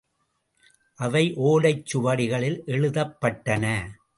அவை ஓலைச் சுவடிகளில் எழுதப்பட்டன.